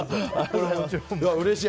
うれしい。